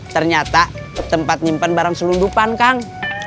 ternyata tempat nyimpan barang selundupan kang